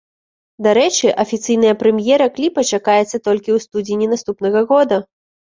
Дарэчы, афіцыйная прэм'ера кліпа чакаецца толькі ў студзені наступнага года.